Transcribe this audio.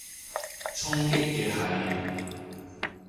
衝擊嘅係？